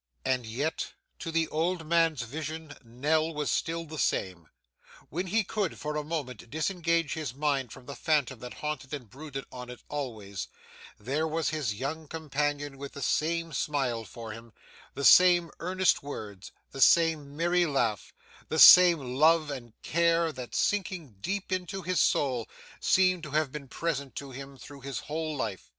And yet, to the old man's vision, Nell was still the same. When he could, for a moment, disengage his mind from the phantom that haunted and brooded on it always, there was his young companion with the same smile for him, the same earnest words, the same merry laugh, the same love and care that, sinking deep into his soul, seemed to have been present to him through his whole life.